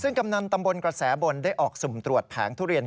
ซึ่งกำนันตำบลกระแสบนได้ออกสุ่มตรวจแผงทุเรียน